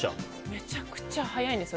めちゃくちゃ早いんです。